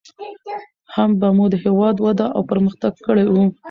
هم به مو هېواد وده او پرمختګ کړى و.